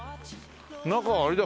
中はあれだ。